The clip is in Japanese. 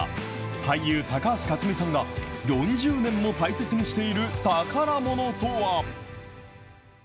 俳優、高橋克実さんが、４０年も大切にしている宝ものとは。